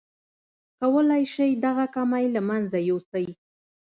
کولای شئ دغه کمی له منځه يوسئ.